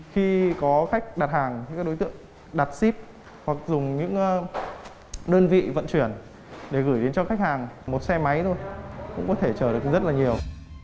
khi có khách đặt hàng thì các đối tượng đặt ship hoặc dùng những đơn vị vận chuyển để gửi đến cho khách hàng một xe máy thôi cũng có thể chở được rất là nhiều